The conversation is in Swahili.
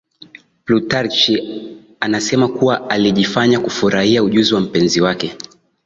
Plutarch anasema kuwa alijifanya kufurahia ujuzi wa mpenzi wake